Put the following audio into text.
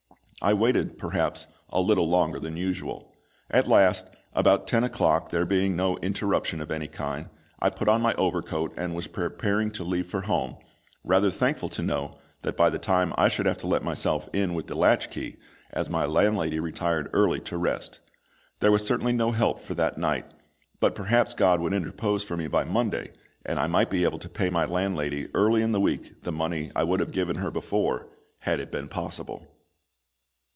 I waited, perhaps, a little longer than usual. At last, about ten o'clock, there being no interruption of any kind, I put on my overcoat, and was preparing to leave for home, rather thankful to know that by that time I should have to let myself in with the latch key, as my landlady retired early to rest. There was certainly no help for that night; but perhaps GOD would interpose for me by Monday, and I might be able to pay my landlady early in the week the money I would have given her before, had it been possible.